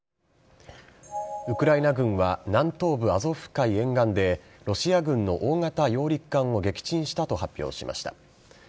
ウクライナ軍は南東部・アゾフ海沿岸でロシア軍の大型揚陸艦を撃沈したと発表しました。